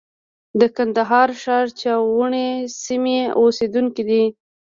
د کندهار ښار چاوڼۍ سیمې اوسېدونکی دی.